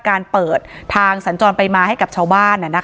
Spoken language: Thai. การเปิดทางสัญจรไปมาให้กับชาวบ้าน